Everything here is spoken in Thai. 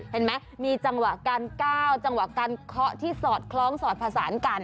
เห็นไหมมีจังหวะการก้าวจังหวะการเคาะที่สอดคล้องสอดผสานกัน